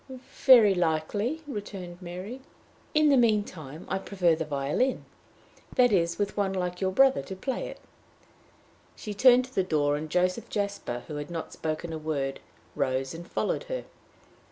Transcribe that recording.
"Very likely," returned Mary. "In the mean time I prefer the violin that is, with one like your brother to play it." She turned to the door, and Joseph Jasper, who had not spoken a word, rose and followed her.